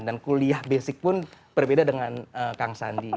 dan kuliah basic pun berbeda dengan kang sandi